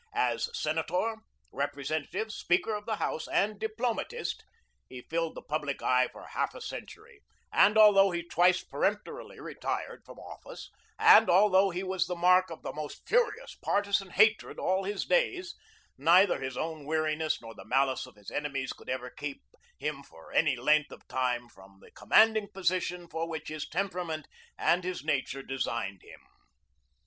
As Senator, Representative, Speaker of the House, and diplomatist, he filled the public eye for half a century, and although he twice peremptorily retired from office, and although he was the mark of the most furious partisan hatred all his days, neither his own weariness nor the malice of his enemies could ever keep him for any length of time from that commanding position for which his temperament and his nature designed him.